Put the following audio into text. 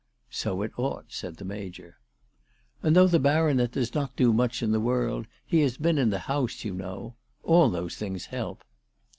" So it ought," said the Major. " And though the Baronet does not do much in the world, he has been in the House, you know. All those things help."